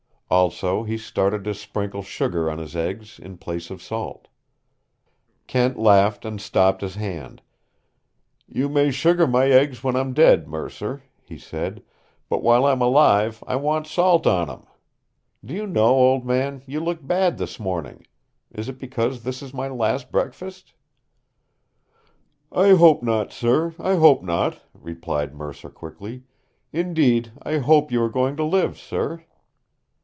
Also he started to sprinkle sugar on his eggs in place of salt. Kent laughed and stopped his hand. "You may sugar my eggs when I'm dead, Mercer," he said, "but while I'm alive I want salt on 'em! Do you know, old man, you look bad this morning. Is it because this is my last breakfast?" "I hope not, sir, I hope not," replied Mercer quickly. "Indeed, I hope you are going to live, sir."